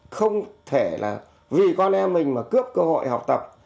không thể là vì con em mình mà cướp cơ hội học tập